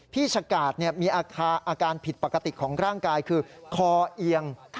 ชะกาดมีอาการผิดปกติของร่างกายคือคอเอียง